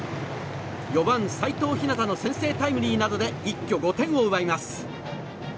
４番、齋藤陽の先制タイムリーなどで一挙５点を奪います。